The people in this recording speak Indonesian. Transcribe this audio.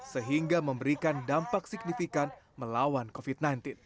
sehingga memberikan dampak signifikan melawan covid sembilan belas